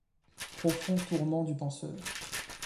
Profond tourment du penseur.